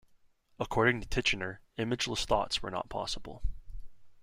According to Titchener, imageless thoughts were not possible.